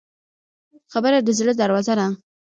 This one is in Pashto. خبره د زړه دروازه ده.